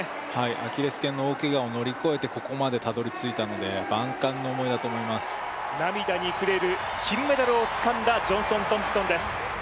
アキレスけんの大けがを乗り越えてここまでたどりついたので涙に暮れる金メダルをつかんだジョンソン・トンプソンです。